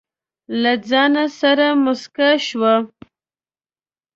له ځانه سره موسکه شوه.